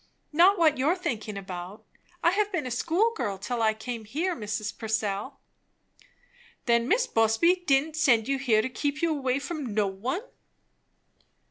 Not what you are thinking about. I have been a school girl till I came here, Mrs. Purcell." "Then Mis' Busby didn't send you here to keep you away from no one?"